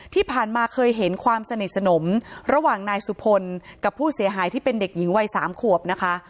ที่ผ่านมาเคยเห็นความสนิทสนมระหว่างนายสุพลกับผู้เสียหายที่เป็นเด็กหญิงวัย๓ขวบนะคะ